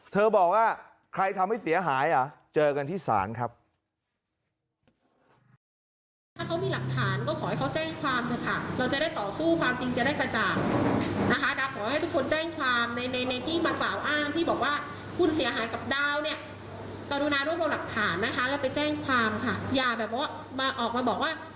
บอกว่าใครทำให้เสียหายเจอกันที่ศาลครับ